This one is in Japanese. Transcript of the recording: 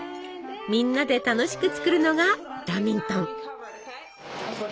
みんなで楽しく作るのがラミントン！